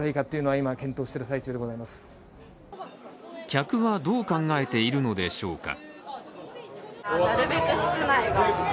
客はどう考えているのでしょうか。